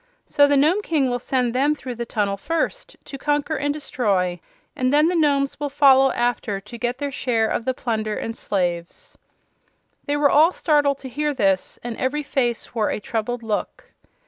So the Nome King will send them through the tunnel first, to conquer and destroy, and then the Nomes will follow after to get their share of the plunder and slaves." They were all startled to hear this, and every face wore a troubled look.